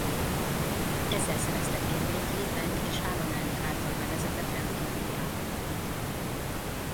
Ezzel szereztek érvényt Li Peng és államelnök által bevezetett rendkívüli állapotnak.